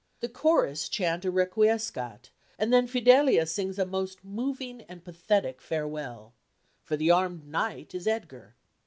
The chorus chant a Requiescat, and then Fidelia sings a most moving and pathetic farewell, for the armed knight is Edgar.